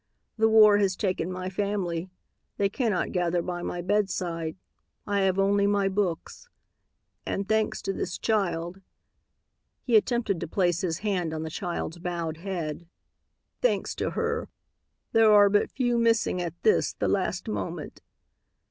The war has taken my family. They cannot gather by my bedside; I have only my books. And, thanks to this child," he attempted to place his hand on the child's bowed head, "thanks to her, there are but few missing at this, the last moment."